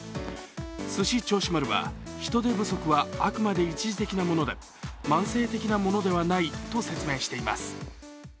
すし銚子丸は人手不足はあくまで一時的なもので慢性的なものではないと説明しています。